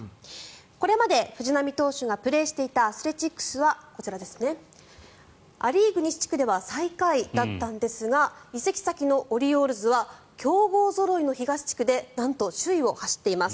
これまで藤浪投手がプレーしていたアスレチックスはこちら、ア・リーグ西地区では最下位だったんですが移籍先のオリオールズは強豪ぞろいの東地区でなんと首位を走っています。